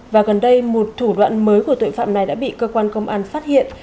và gần đây một thủ đoạn mới của tội phạm này đã bị cơ quan công an phát hiện